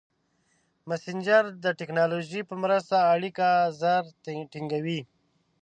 مسېنجر د ټکنالوژۍ په مرسته اړیکه ژر ټینګېږي.